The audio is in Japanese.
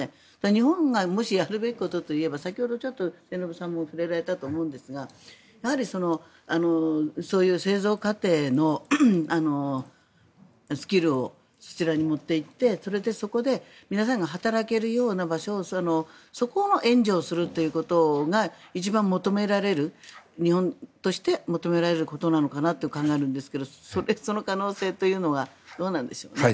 日本がもしやるべきことといえば先ほどちょっと、末延さんも触れられたと思うんですがそういう製造過程のスキルをそちらに持っていってそれで、そこで皆さんが働けるような場所をそこの援助をするということが一番求められる日本として求められることなのかなと考えるんですがその可能性というのはどうなんでしょう。